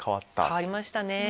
変わりましたね。